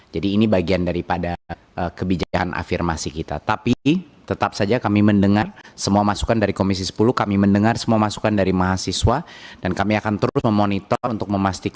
jangan kami kemudian suruh koordinasi sama dinas